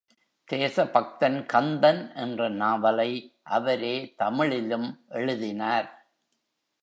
தேசபக்தன் கந்தன் என்ற நாவலை அவரே தமிழிலும் எழுதினார்.